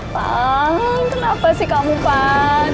bang kenapa sih kamu bang